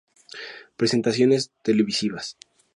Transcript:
Presentaciones televisivas